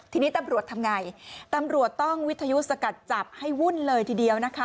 ทีนี้ตำรวจทำไงตำรวจต้องวิทยุสกัดจับให้วุ่นเลยทีเดียวนะคะ